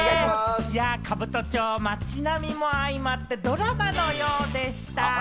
兜町、町並みも相まって、ドラマのようでした。